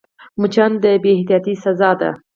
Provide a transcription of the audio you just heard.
مچان د بې احتیاطۍ سزا ده